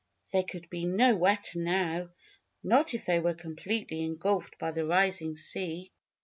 They could be no wetter now not if they were completely engulfed by the rising sea.